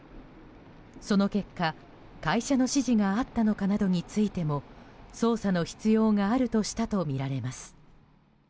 その結果、会社の指示があったのかなどについても捜査の必要があるとしたとみられます。